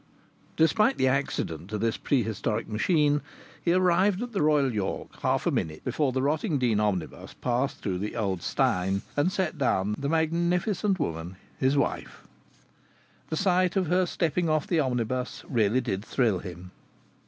Despite the accident to this prehistoric machine, he arrived at the Royal York half a minute before the Rottingdean omnibus passed through the Old Steine and set down the magnificent woman his wife. The sight of her stepping off the omnibus really did thrill him.